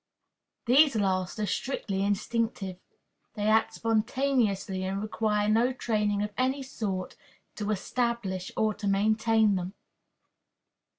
These last are strictly instinctive. They act spontaneously, and require no training of any sort to establish or to maintain them.